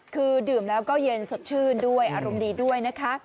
คือดื่มแล้วก็เย็นสดชื่นด้วยอารมณ์ดีด้วยนะคะ